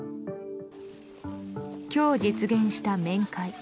今日、実現した面会。